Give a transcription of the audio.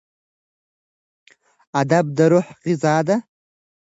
ادب د روح غذا ده.